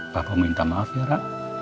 papa minta maaf ya rara